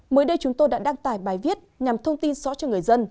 mới đây chúng tôi đã đăng tải bài viết nhằm thông tin rõ cho người dân